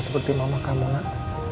seperti mama kamu nak